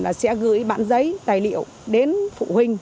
là sẽ gửi bản giấy tài liệu đến phụ huynh